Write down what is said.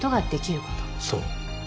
そう。